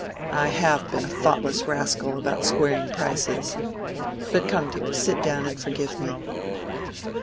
I have been a thoughtless rascal about squaring prices—but come, dear, sit down and forgive me."